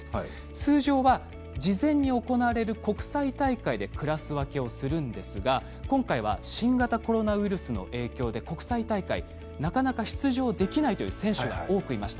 通常は事前に行われる国際大会でクラス分けをするんですが今回は新型コロナウイルスの影響で国際大会、なかなか出場できないという選手が多くいました。